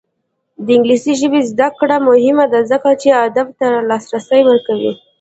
د انګلیسي ژبې زده کړه مهمه ده ځکه چې ادب ته لاسرسی ورکوي.